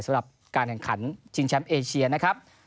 สำหรับการแข่งขันชิงแชมป์เอเชียนะครับ